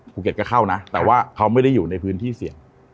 ภูเก็ตก็เข้านะแต่ว่าเขาไม่ได้อยู่ในพื้นที่เสี่ยง